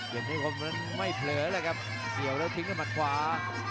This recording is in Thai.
เกียรติคมมันไม่เพลินเลยครับเกี่ยวแล้วทิ้งให้มันขวา